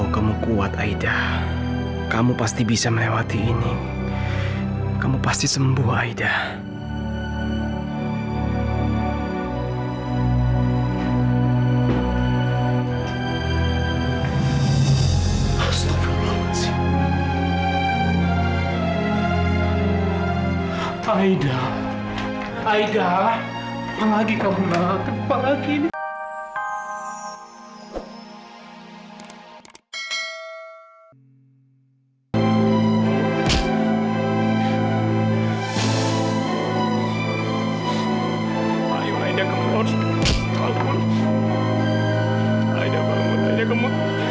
sampai jumpa di video selanjutnya